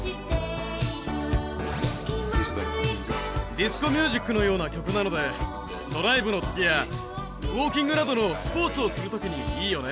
ディスコミュージックのような曲なのでドライブの時やウオーキングなどのスポーツをする時にいいよね。